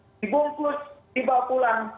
dibungkus dibawa pulang